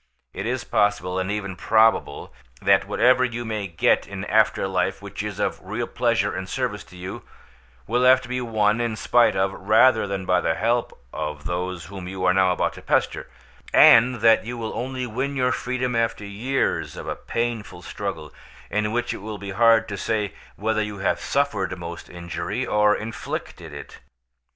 It is possible, and even probable, that whatever you may get in after life which is of real pleasure and service to you, will have to be won in spite of, rather than by the help of, those whom you are now about to pester, and that you will only win your freedom after years of a painful struggle in which it will be hard to say whether you have suffered most injury, or inflicted it.